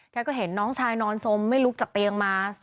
ก็เห็นน้องชายนอนสมไม่ลุกจากเตียงมา